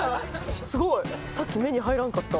すごい。さっき目に入らんかった。